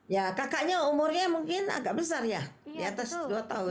ya kakaknya umurnya mungkin agak besar ya di atas dua tahun